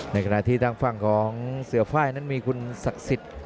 ในขณะที่ทางฝั่งของเสือไฟล์นั้นมีคุณศักดิ์สิทธิ์